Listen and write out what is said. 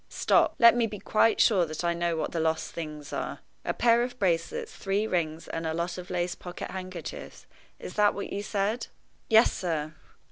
Stop! let me be quite sure that I know what the lost things are. A pair of bracelets, three rings, and a lot of lace pocket handkerchiefs is that what you said?" "Yes, sir."